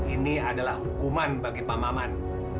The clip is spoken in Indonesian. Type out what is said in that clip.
ini adalah hukuman bagi pak maman